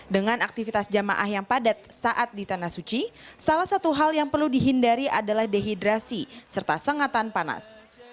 dengan aktivitas jamaah yang padat saat di tanah suci salah satu hal yang perlu dihindari adalah dehidrasi serta sengatan panas